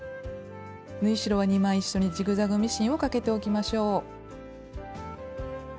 縫い代は２枚一緒にジグザグミシンをかけておきましょう。